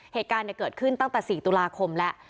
เหตุการณ์เกิดขึ้นตั้งแต่๔ตุลาคมแล้ว